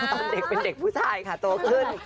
ตอนเด็กเป็นเด็กผู้ชายค่ะโตขึ้น